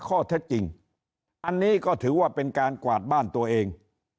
ข้อเท็จจริงอันนี้ก็ถือว่าเป็นการกวาดบ้านตัวเอง